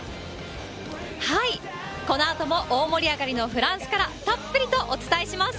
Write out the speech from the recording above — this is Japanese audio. このあとも大盛り上がりのフランスからたっぷりとお伝えします。